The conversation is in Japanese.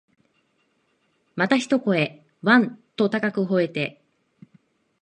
また一声、わん、と高く吠えて、